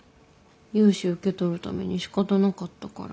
融資受け取るためにしかたなかったからで。